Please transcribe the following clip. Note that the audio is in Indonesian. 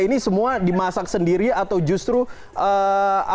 ini semua dimasak sendiri atau justru ada yang beli di luar